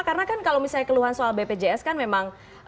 karena kan kalau misalnya keluhan soal bpjs kan memang